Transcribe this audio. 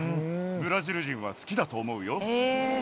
ブラジル人は好きだと思うよ。